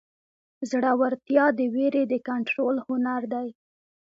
زړهورتیا د وېرې د کنټرول هنر دی.